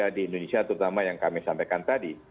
yang ada di indonesia terutama yang kami sampaikan tadi